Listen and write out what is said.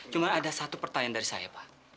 cuma ada satu pertanyaan dari saya pak